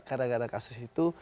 karena ada kasus itu